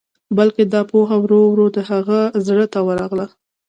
بلکې دا پوهه ورو ورو د هغه زړه ته ورغله.